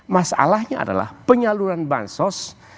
masalahnya adalah penyaluran bahan sos